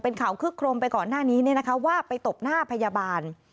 เป็นข่าวคึกโครมไปก่อนหน้านี้ว่าไปตบหน้าพยาบาล